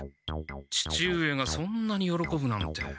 父上がそんなによろこぶなんて。